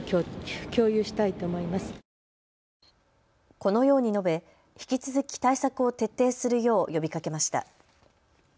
このように述べ引き続き対策を徹底するよう呼びかけました。